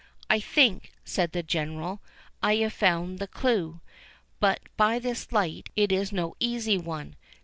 "I think," said the General, "I have found the clew, but by this light it is no easy one!